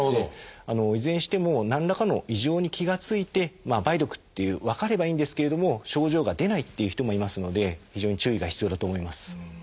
いずれにしても何らかの異常に気が付いて梅毒って分かればいいんですけれども症状が出ないという人もいますので非常に注意が必要だと思います。